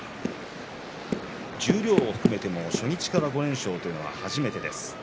十両を含めても初日から５連勝というのは初めてです。